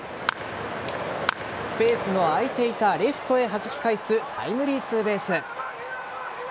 スペースの空いていたレフトへはじき返すタイムリーツーベース。